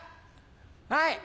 はい。